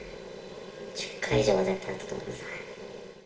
１０回以上は絶対あったと思います。